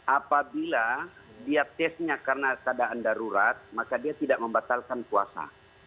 apabila dia tesnya karena keadaan darurat maka dia tidak membatalkan puasa